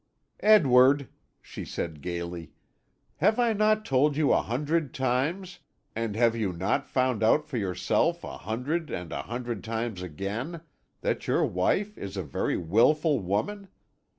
"Edward," she said gaily, "have I not told you a hundred times, and have you not found out for yourself a hundred and a hundred times again, that your wife is a very wilful woman?